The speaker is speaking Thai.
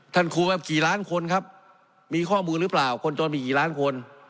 ครูแบบกี่ล้านคนครับมีข้อมือหรือเปล่าคนจนมีกี่ล้านคน